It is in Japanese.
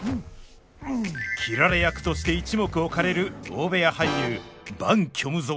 斬られ役として一目置かれる大部屋俳優伴虚無